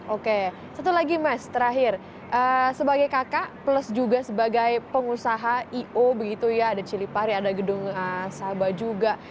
oke satu lagi mas terakhir sebagai kakak plus juga sebagai pengusaha i o begitu ya ada cilipari ada gedung sabah juga